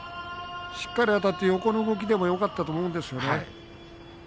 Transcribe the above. しっかりあたって横を向けたらよかったと思うんですけどね。